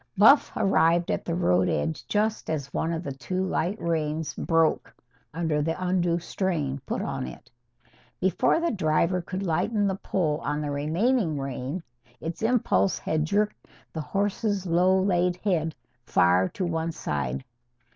Buff arrived at the road edge just as one of the two light reins broke under the undue strain put on it. Before the driver could lighten the pull on the remaining rein its impulse had jerked the horse's low laid head far to one side.